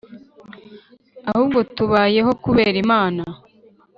Ahubwo tubayeho kubera imana